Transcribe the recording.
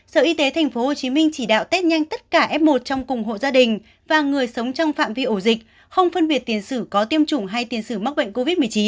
sở y tế tp hcm chỉ đạo test nhanh tất cả f một trong cùng hộ gia đình và người sống trong phạm vi ổ dịch không phân biệt tiền sử có tiêm chủng hay tiền xử mắc bệnh covid một mươi chín